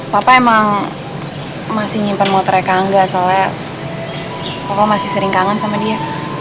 papa emang masih nyimpen motornya kan enggak soalnya papa masih sering kangen sama dia